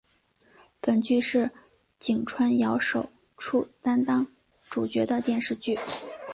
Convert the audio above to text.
本剧是井川遥首出担当主角的电视剧。